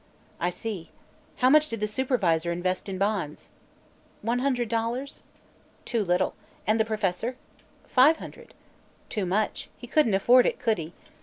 "I see. How much did the supervisor invest in bonds?" "One hundred dollars." "Too little. And the Professor?" "Five hundred." "Too much. He couldn't afford it, could he?"